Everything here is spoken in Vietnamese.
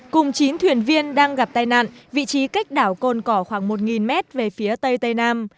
cùng chín thuyền viên đang gặp tai nạn vị trí cách đảo cồn cỏ khoảng một m về phía tây tây nam